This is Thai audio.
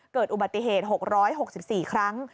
เกิดอุบัติเหตุ๖๖๔ครั้ง